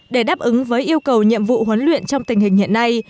để đáp ứng với yêu cầu nhiệm vụ huấn luyện trong tình hình hiện nay